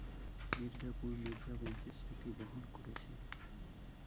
মির্জাপুর মির্জা বংশের স্মৃতি বহন করেছে।